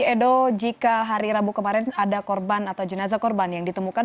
edo jika hari rabu kemarin ada korban atau jenazah korban yang ditemukan